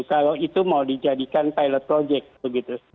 kalau itu mau dijadikan pilot project begitu